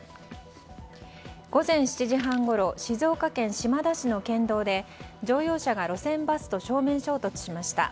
午前７時半ごろ静岡県島田市の県道で乗用車が路線バスと正面衝突しました。